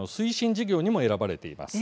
事業にも選ばれています。